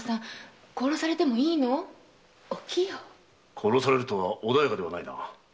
殺されるとは穏やかではないな。